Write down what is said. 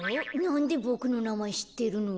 なんでボクのなまえしってるの？